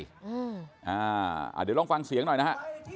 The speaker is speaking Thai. เดี๋ยวลองฟังเสียงหน่อยนะฮะ